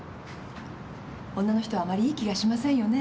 女の人はあまりいい気がしませんよね？